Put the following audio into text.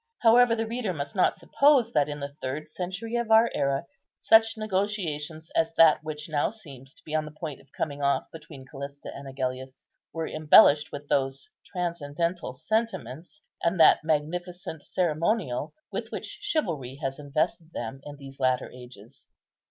However, the reader must not suppose that in the third century of our era such negotiations as that which now seems to be on the point of coming off between Callista and Agellius, were embellished with those transcendental sentiments and that magnificent ceremonial with which chivalry has invested them in these latter ages.